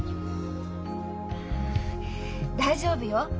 大丈夫よ。